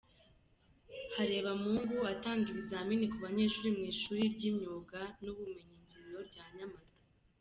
Harebamungu atanga ibizamini ku banyeshuri mu ishuri ry’Imyuga n’Ubumenyingiro rya Nyamata.